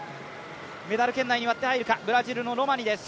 メダル圏内に割って入るか、ブラジルのロマニです。